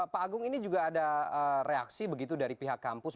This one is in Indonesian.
pak agung ini juga ada reaksi begitu dari pihak kampus